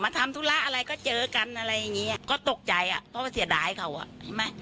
มาทำธุระอะไรก็เจอกันอะไรอย่างนี้ก็ตกใจเพราะว่าเสียดายเขา